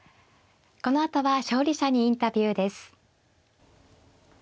このあとは勝利者にインタビューです。